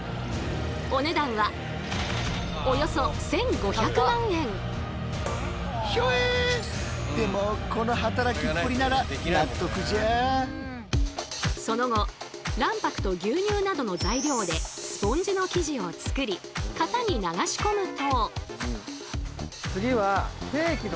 お値段はその後卵白と牛乳などの材料でスポンジの生地を作り型に流し込むと。